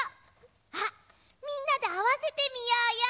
あっみんなであわせてみようよ！